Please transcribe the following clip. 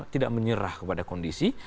tidak menyerah kepada kondisi